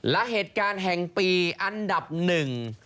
และเหตุการณ์แห่งปีอันดับหนึ่ง